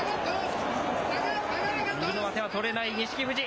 右の上手は取れない錦富士。